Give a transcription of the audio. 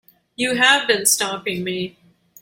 You have been stopping me.